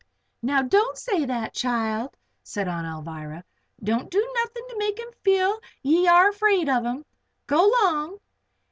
"Now, don't say that, child," said Aunt Alvirah. "Don't do nothing to make him feel that ye air afraid of him. Go 'long.